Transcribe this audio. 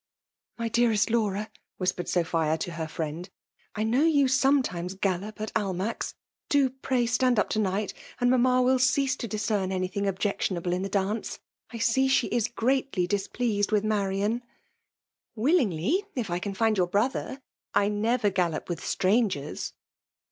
"^ My dearest Laura/ whirred SopUa to her friend, "^ I know yon sometimes gallop at AlmackV Do pray stand up to night, and Mamma will eease to cBscem anything objec tionable in the dance. I see die i&r gieatfy displeased wiA Marian.'* 186 FSMAU DOMINATION. " Williiigly> if I can find your brother. I never gallop vrith strangers.'